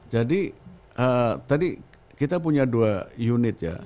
jadi tadi kita punya dua unit ya